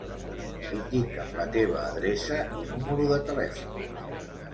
Indica'm la teva adreça i número de telèfon.